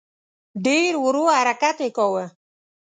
ډېر ورو حرکت یې کاوه.